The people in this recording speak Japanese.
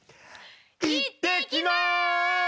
行ってきます！